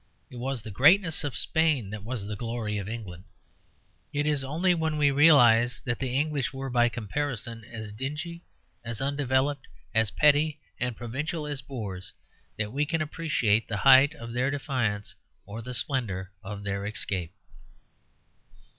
It was the greatness of Spain that was the glory of England. It is only when we realize that the English were, by comparison, as dingy, as undeveloped, as petty and provincial as Boers, that we can appreciate the height of their defiance or the splendour of their escape.